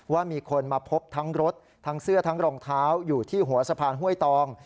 ว่ามีคนมาพบทั้งรถทั้งเสื้อทั้งรองเท้าอยู่ที่หัวสะพานห้วยตอง